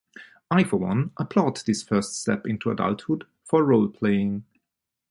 I for one applaud this first step into adulthood for roleplaying.